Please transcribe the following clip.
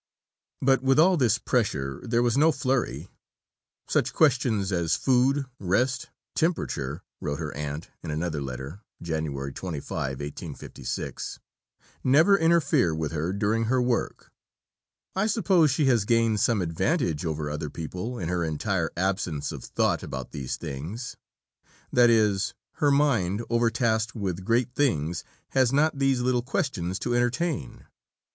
But with all this pressure, there was no flurry. "Such questions as food, rest, temperature," wrote her aunt in another letter (Jan. 25, 1856), "never interfere with her during her work; I suppose she has gained some advantage over other people in her entire absence of thought about these things; that is, her mind overtasked with great things has not these little questions to entertain.